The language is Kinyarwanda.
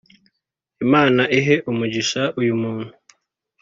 imana ihe umugisha uyu muntu